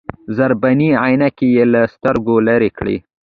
ذره بيني عينکې يې له سترګو لرې کړې.